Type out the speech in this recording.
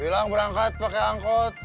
bilang berangkat pakai angkot